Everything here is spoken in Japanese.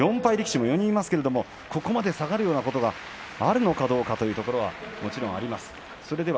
４敗力士が４人いますがここまで下がるようなことがあるのかどうかということはもちろんあります。